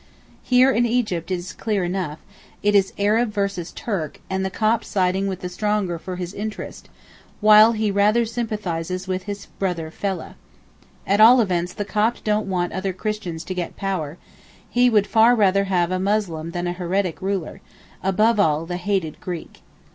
Here in Egypt it is clear enough: it is Arab versus Turk and the Copt siding with the stronger for his interest, while he rather sympathizes with his brother fellah. At all events the Copt don't want other Christians to get power; he would far rather have a Muslim than a heretic ruler, above all the hated Greek.